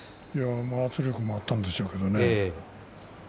圧力もあったんでしょうけどね。